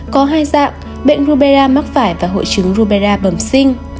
có hai dạng bệnh rubella mắc phải và hội chứng rubella bẩm sinh